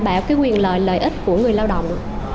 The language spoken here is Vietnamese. nó đem lại cái quyền lợi lợi ích của người lao động